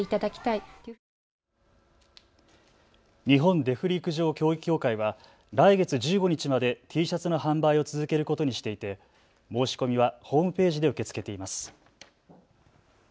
日本デフ陸上競技協会は来月１５日までＴシャツの販売を続けることにしていて申し込みはホームページで受け付けています。